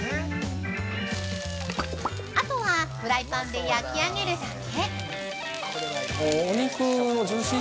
あとはフライパンで焼き上げるだけ。